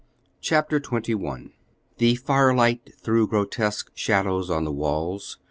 Chapter XXI The fire light threw grotesque shadows on the walls.